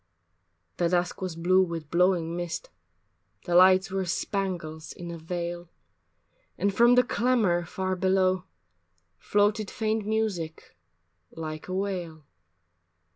III The dusk was blue with blowing mist, The lights were spangles in a veil, And from the clamor far below Floated faint music like a wail.